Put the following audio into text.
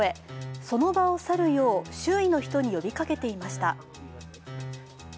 その場を去るよう周囲の人に呼びかけていました。